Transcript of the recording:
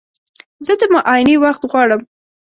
زه د معاینې وخت غواړم.